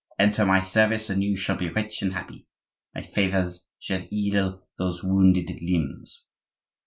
Enter my service, and you shall be rich and happy; my favors shall heal those wounded limbs.